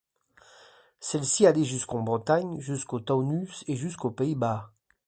Celles-ci allaient jusqu'en Bretagne, jusqu'au Taunus et jusqu'aux Pays-Bas.